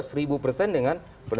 seribu persen dengan